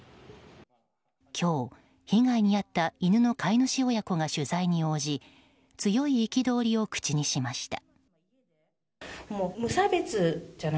今日、被害に遭った犬の飼い主親子が取材に応じ、強い憤りを口にしました。